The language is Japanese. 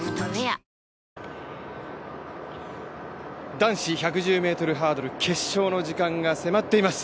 男子１１０ｍハードル決勝の時間が迫っています。